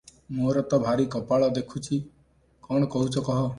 ମୋର ତ ଭାରି କପାଳ ଦେଖୁଛି! କ’ଣ କହୁଛ କହ ।”